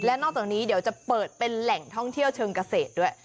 และนอกจากนี้เดี๋ยวจะเปิดเป็นแหล่งท่องเที่ยวเชิงเกษตรด้วย